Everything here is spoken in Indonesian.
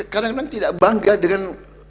kadang kadang tidak bangga dengan